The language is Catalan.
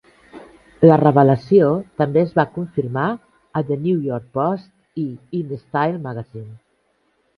La revelació també es va confirmar a The New York Post i In Style Magazine.